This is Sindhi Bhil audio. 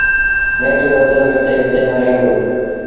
نيٺ دودو وڙهتي وڙهتي مري وُهڙو۔